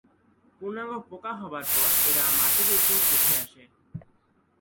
পূর্নাঙ্গ পোকা হবার পর এরা মাটির উপর উঠে আসে।